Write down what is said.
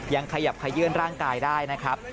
ยังขยับขยื่นร่างกายได้นะครับ